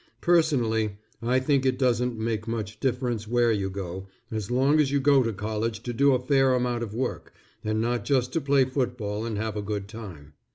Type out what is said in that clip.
Personally, I think it doesn't make much difference where you go, as long as you go to college to do a fair amount of work, and not just to play football and have a good time.